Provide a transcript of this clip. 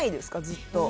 ずっと。